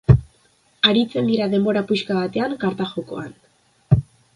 Aritzen dira denbora puska batean karta-jokoan.